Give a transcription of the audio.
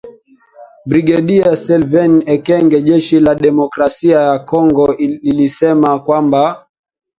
Brigedia Sylvain Ekenge jeshi la Demokrasia ya Kongo lilisema kwamba